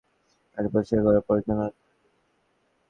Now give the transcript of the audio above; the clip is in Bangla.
এটা পরিষ্কার করার পরে, জানালা ধোঁয়ে দিবি।